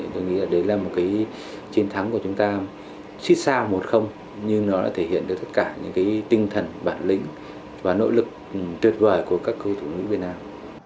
tôi nghĩ là đấy là một cái chiến thắng của chúng ta xích sao một nhưng nó đã thể hiện được tất cả những tinh thần bản lĩnh và nỗ lực tuyệt vời của các cầu thủ nữ việt nam